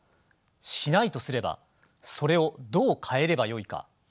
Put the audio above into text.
しないとすればそれをどう変えればよいか。